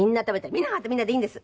「みんなはみんなでいいんです！」